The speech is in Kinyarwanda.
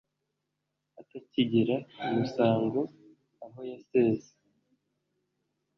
Atakigira umusango aho yaseze,